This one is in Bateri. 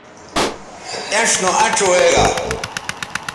اِنڇ نو اَنڇ وے گا